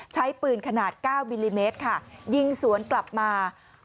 ใช้ปืนขนาด๙มิลลิเมตรค่ะยิงสวนกลับมา